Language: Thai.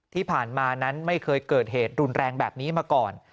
ที่ผ่านมานั้นไม่เคยเกิดเหตุรุนแรงแบบนี้มาก่อน